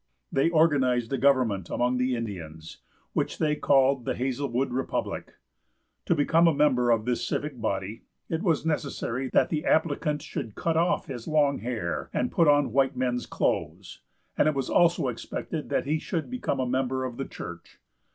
They organized a government among the Indians, which they called the Hazelwood Republic. To become a member of this civic body, it was necessary that the applicant should cut off his long hair, and put on white men's clothes, and it was also expected that he should become a member of the church.